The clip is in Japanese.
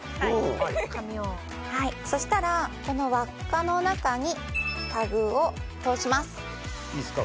・紙をはいそしたらこの輪っかの中にタグを通しますいいすか？